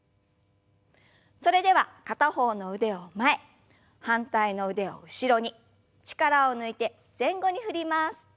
それでは片方の腕を前反対の腕を後ろに力を抜いて前後に振ります。